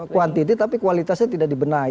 kuantiti tapi kualitasnya tidak dibenahi